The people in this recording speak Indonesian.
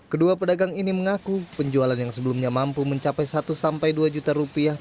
kedua pedagang ini mengaku penjualan yang sebelumnya mampu mencapai satu dua juta rupiah